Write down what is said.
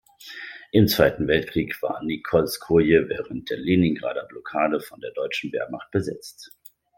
Im Zweiten Weltkrieg war Nikolskoje während der Leningrader Blockade von der deutschen Wehrmacht besetzt.